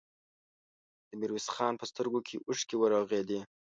د ميرويس خان په سترګو کې اوښکې ورغړېدې.